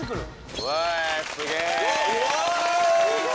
わすげえ。